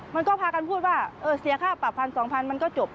มันก็พากันพูดว่าเสียค่าปรับพันสองพันมันก็จบ